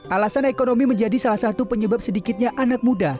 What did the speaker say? alasan ekonomi menjadi salah satu penyebab sedikitnya anak muda